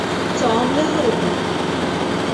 توم يهرب.